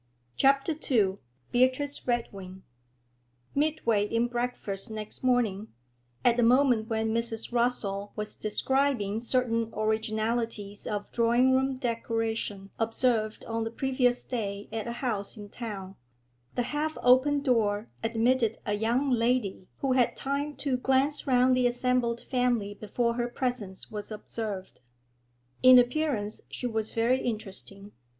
CHAPTER II BEATRICE REDWING Midway in breakfast next morning, at a moment when Mrs. Rossall was describing certain originalities of drawing room decoration observed on the previous day at a house in town, the half open door admitted a young lady who had time to glance round the assembled family before her presence was observed. In appearance she was very interesting.